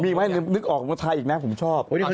มีไหมนึกออกว่าถ่ายอีกนะผมชอบ